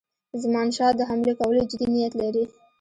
زمانشاه د حملې کولو جدي نیت لري.